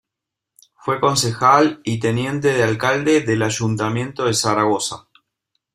Fue Concejal y Teniente de Alcalde del Ayuntamiento de Zaragoza.